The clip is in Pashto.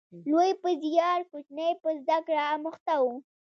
لوی په زیار، کوچنی په زده کړه اموخته و